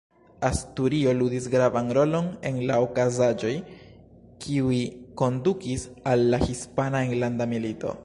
Asturio ludis gravan rolon en la okazaĵoj, kiuj kondukis al la Hispana Enlanda Milito.